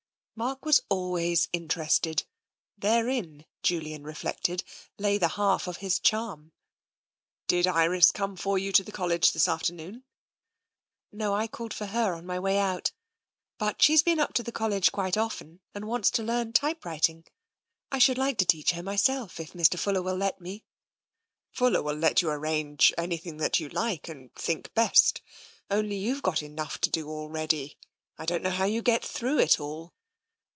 Mark was always interested. Therein, Julian reflected, lay the half of his charm. " Did Iris come for you to the College this after noon?" " No, I called for her on my way out, but she's been up to the College quite often, and wants to learn typewriting. I should like to teach her myself if Mr. Fuller will let me." " Fuller will let you arrange anything that you like, and think best, only you've got enough to do already. I don't know how you get through it all."